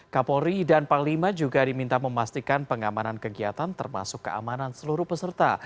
kapolri dan panglima juga diminta memastikan pengamanan kegiatan termasuk keamanan seluruh peserta